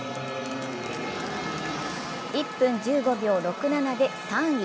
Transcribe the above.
１分１５秒６７で３位。